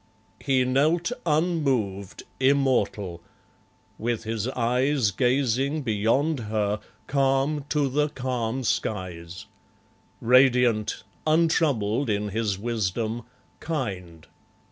He knelt unmoved, immortal; with his eyes Gazing beyond her, calm to the calm skies; Radiant, untroubled in his wisdom, kind.